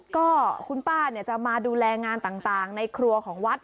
ก็คุณป้าจะมาดูแลงานต่างในครัวของวัด